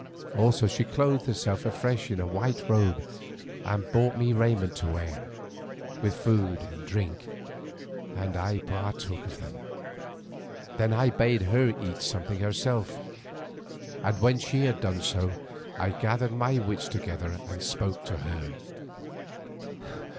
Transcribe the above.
Also she clothed herself afresh in a white robe and brought me raiment to wear, with food and drink, and I partook of them. Then I bade her eat something herself, and when she had done so I gathered my wits together and spoke to her.